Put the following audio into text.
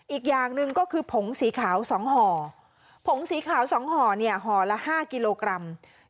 อีกอย่างหนึ่งก็คือผงสีขาว๒ห่อผงสีขาว๒ห่อเนี่ยห่อละ๕กิโลกรัม